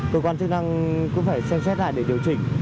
cơ quan chức năng cũng phải xem xét lại để điều chỉnh